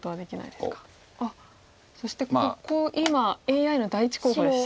あっそしてここ今ＡＩの第１候補でした。